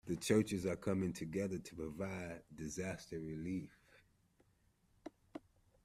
The churches are coming together to provide disaster relief.